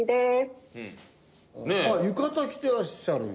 浴衣着てらっしゃる。